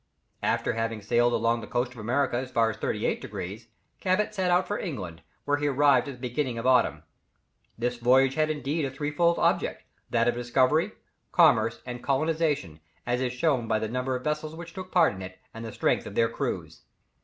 After having sailed along the coast of America as far as 38 degrees, Cabot set out for England, where he arrived at the beginning of autumn. This voyage had indeed a threefold object, that of discovery, commerce, and colonization, as is shown by the number of vessels which took part in it and the strength of the crews.